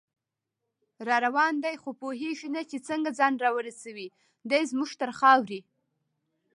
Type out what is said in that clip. راروان دی خو پوهیږي نه چې څنګه، ځان راورسوي دی زمونږ تر خاورې